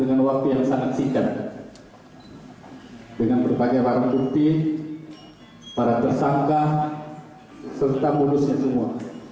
dengan waktu yang sangat singkat dengan berbagai barang bukti para tersangka serta bonusnya semua